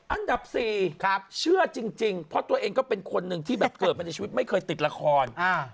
อันดับ๔เชื่อจริงเพราะตัวเองก็เป็นคนหนึ่งที่แบบเกิดมาในชีวิตไม่เคยติดละคร